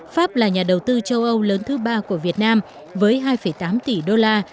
pháp là nhà đầu tư châu âu lớn thứ ba của việt nam với hai tám tỷ đô la